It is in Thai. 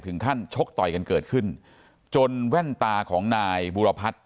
ชกต่อยกันเกิดขึ้นจนแว่นตาของนายบุรพัฒน์